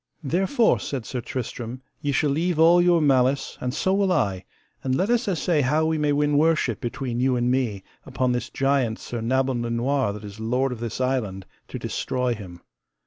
Therefore, said Sir Tristram, ye shall leave all your malice, and so will I, and let us assay how we may win worship between you and me upon this giant Sir Nabon le Noire that is lord of this island, to destroy him.